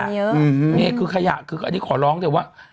อันนี้คือขยะอันนี้ขอร้องแต่ว่า